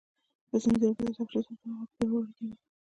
مصنوعي ځیرکتیا د تشخیص دقت پیاوړی کوي.